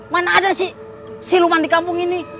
mana ada si luman di kampung ini